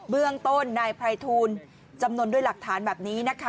เรื่องต้นนายไพรทูลจำนวนด้วยหลักฐานแบบนี้นะคะ